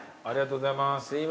ありがとうございます。